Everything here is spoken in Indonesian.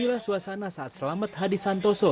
inilah suasana saat selamat hadis santoso